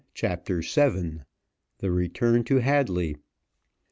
CHAPTER VII. THE RETURN TO HADLEY.